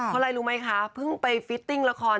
คนไรรู้ไหมคะเพิ่งไปฟิตติ้งละคร